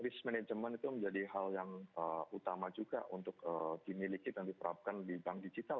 risk management itu menjadi hal yang utama juga untuk dimiliki dan diterapkan di bank digital